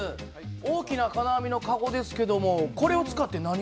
大きな金網のカゴですけどもこれを使って何をするんですか？